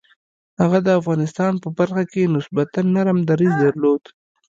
هغه د افغانستان په برخه کې نسبتاً نرم دریځ درلود.